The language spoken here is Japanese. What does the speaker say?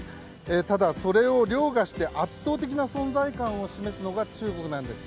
ただ、それを凌駕して圧倒的な存在感を示すのが中国なんです。